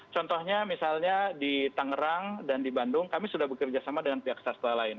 contohnya misalnya di tangerang dan di bandung kami sudah bekerjasama dengan pihak swasta lain